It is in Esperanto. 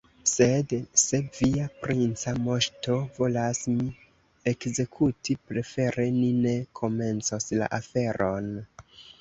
Sed se via princa moŝto volas min ekzekuti, prefere ni ne komencos la aferon.